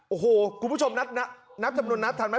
โอ้โหคุณผู้ชมนับจำนวนนัดทันไหม